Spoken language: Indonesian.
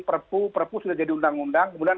perpu perpu sudah jadi undang undang kemudian